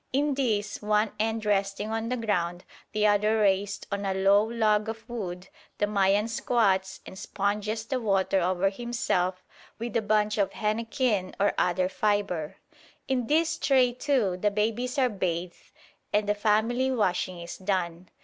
In this, one end resting on the ground, the other raised on a low log of wood, the Mayan squats and sponges the water over himself with a bunch of henequen or other fibre. In this tray, too, the babies are bathed and the family washing is done.